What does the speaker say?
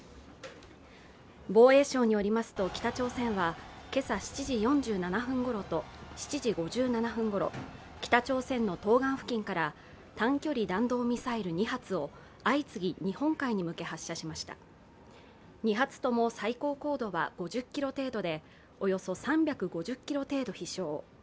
防衛省によりますと北朝鮮は今朝７時４７分ごろと７時５７分ごろ、北朝鮮の東岸付近から短距離弾道ミサイル２発を相次ぎ、日本海に向け発射しました２発とも最高高度は５０ｋｍ程度でおよそ３５０ｋｍ程度飛しょう。